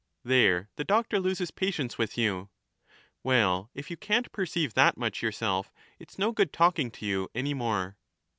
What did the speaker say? There the doctor loses patience with you, ' Well, if you can't perceive that much yourself, it 's no good talking to you any more.'